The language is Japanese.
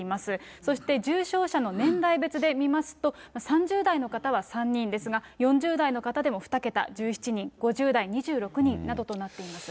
そして重症者の年代別で見ますと、３０代の方は３人ですが、４０代の方でも２桁、１７人、５０代、２６人などとなっています。